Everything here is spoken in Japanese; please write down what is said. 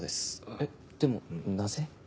えっでもなぜ？